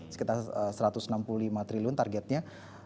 sekitar satu ratus enam puluh lima triliun targetnya